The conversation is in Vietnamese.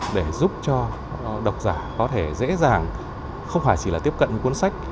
để giúp cho đọc giả có thể dễ dàng không phải chỉ là tiếp cận cuốn sách